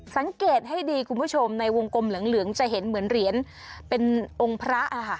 สังเกตให้ดีคุณผู้ชมในวงกลมเหลืองจะเห็นเหมือนเหรียญเป็นองค์พระ